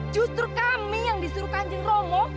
justru kami yang disuruh kancing romo